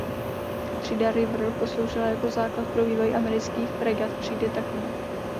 Třída "River" posloužila jako základ pro vývoj amerických fregat třídy Tacoma.